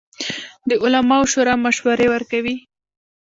د علماوو شورا مشورې ورکوي